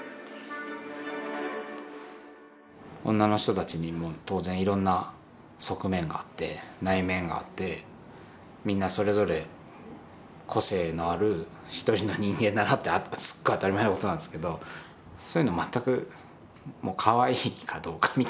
女の人たちにも当然いろんな側面があって内面があってみんなそれぞれ個性のある一人の人間だなってすっごい当たり前のことなんですけどそういうの全くもうかわいいかどうかみたいな。